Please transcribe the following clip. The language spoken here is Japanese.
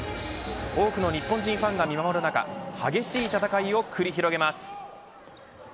多くの日本人ファンが見守る中激しい戦いを繰り広げます。